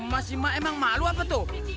mas si ma emang malu apa tuh